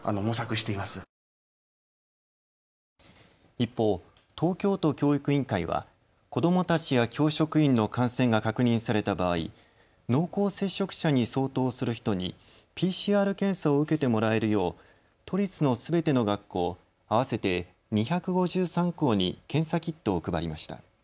一方、東京都教育委員会は子どもたちや教職員の感染が確認された場合、濃厚接触者に相当する人にＰＣＲ検査を受けてもらえるよう都立のすべての学校合わせて２５３校に検査キットを配りました。